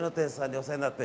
お世話になって。